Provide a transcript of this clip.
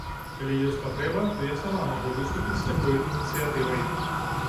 Калі ёсць патрэба, то я сама магу выступіць з такой ініцыятывай.